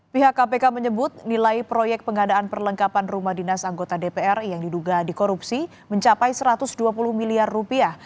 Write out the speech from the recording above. pihak kpk menyebut nilai proyek pengadaan perlengkapan rumah dinas anggota dpr yang diduga dikorupsi mencapai satu ratus dua puluh miliar rupiah